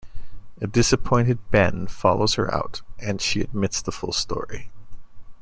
A disappointed Ben follows her out and she admits the full story.